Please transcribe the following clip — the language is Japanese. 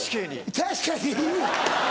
「確かにぃ！」。